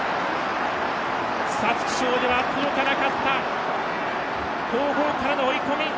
皐月賞では届かなかった後方からの追い込み！